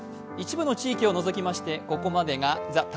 一部の地域を除きまして、ここまでが「ＴＨＥＴＩＭＥ’」。